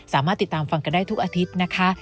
สามารถติดตามฟังกันได้ทุกอาทิตย์นะคะ